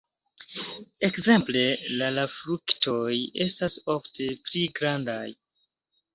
Ekzemple la la fruktoj estas ofte pli grandaj.